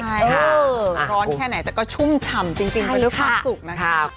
ใช่ร้อนแค่ไหนแต่ก็ชุ่มฉ่ำจริงไปด้วยความสุขนะครับ